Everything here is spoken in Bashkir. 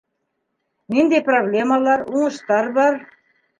Ниндәй проблемалар, уңыштар бар?